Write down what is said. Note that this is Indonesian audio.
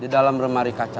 di dalam remari kaca